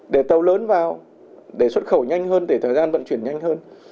để tàu lớn vào để xuất khẩu nhanh hơn để thời gian vận chuyển nhanh hơn